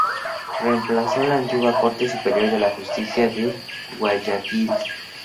Reemplazó a la antigua Corte Superior de Justicia de Guayaquil.